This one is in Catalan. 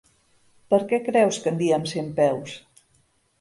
Per què creus que en diem centpeus?